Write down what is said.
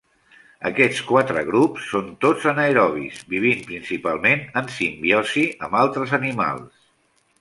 Aquests quatre grups són tots anaerobi, vivint principalment en simbiosi amb altres animals.